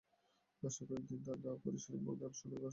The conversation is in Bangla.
আসে, কয়েক দিন থাকে, গাঁ-পড়িশদের গান শোনায়, গল্প শোনায়, আবার চলে যায়।